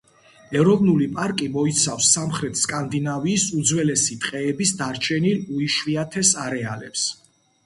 ეროვნული პარკი მოიცავს სამხრეთ სკანდინავიის უძველესი ტყეების დარჩენილ უიშვიათეს არეალებს.